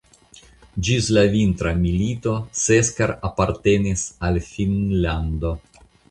Ĝis la Vintra milito Seskar apartenis al Finnlando.